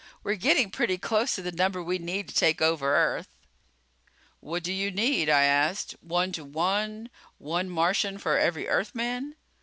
'We're getting pretty close to the number we need to take over Earth.'" "What do you need?" I asked. "One to one? One Martian for every Earthman?"